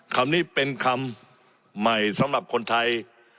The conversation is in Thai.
คำนี้เป็นคำใหม่สำหรับคนไทย